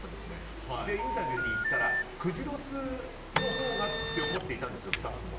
インタビューに行ったら久慈ロスのほうがと思っていたんです、スタッフは。